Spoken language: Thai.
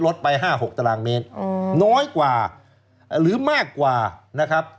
ไป๕๖ตารางเมตรน้อยกว่าหรือมากกว่านะครับ